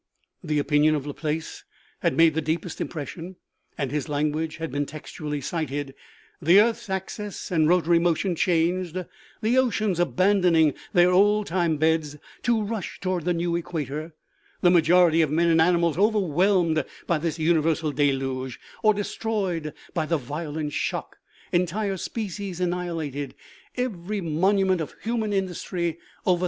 The opinion of Laplace had made the deepest impression and his language had been texttially cited :" The earth's axis and rotary motion changed ; the oceans abandoning their old time beds, to rush toward the new equator ; the majority of men and animals overwhelmed by this universal deluge, or destroyed by the violent shock ; entire species an nihilated ; every monument of human industry over 38 OMEGA.